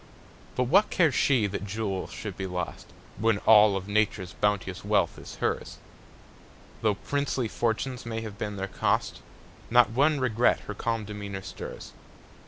But what cares she that jewels should be lost, When all of Nature's bounteous wealth is hers? Though princely fortunes may have been their cost, Not one regret her calm demeanor stirs.